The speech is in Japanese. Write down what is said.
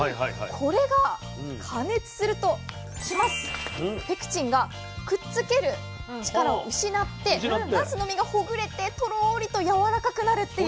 これが加熱するとペクチンがくっつける力を失ってなすの身がほぐれてトロリとやわらかくなるっていう。